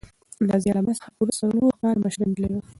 نازیه له ما څخه پوره څلور کاله مشره نجلۍ وه.